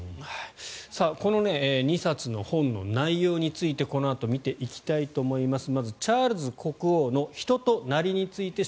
この２冊の本の内容についてこのあと見ていきたいと思います。